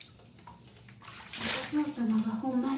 お嬢様はほんまに。